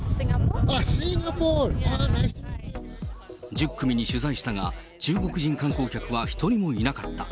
１０組に取材したが、中国人観光客は一人もいなかった。